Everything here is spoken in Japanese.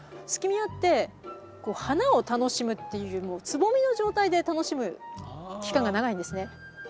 スキミアって花を楽しむっていうよりもつぼみの状態で楽しむ期間が長いんですね。